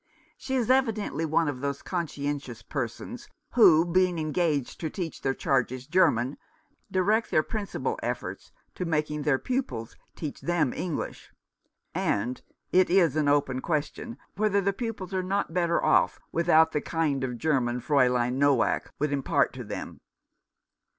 She is evidently one of those conscientious persons who, being engaged to teach their charges German, direct their principal efforts to making their pupils teach them English ; and it is an open question whether the pupils are not better off without the kind of German Fraulein Noack could impart to them.